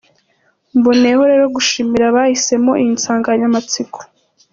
Mboneyeho rero gushimira abahisemo iyi nsanganyamatsiko”.